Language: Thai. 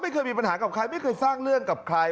ไม่เคยมีปัญหากับใครไม่เคยสร้างเรื่องกับใคร